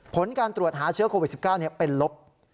ผลการตรวจหาเชื้อโควิด๑๙เป็นลบ